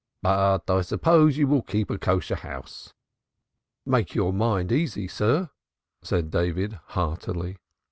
"But I suppose you will keep a kosher house." "Make your mind easy, sir," said David heartily.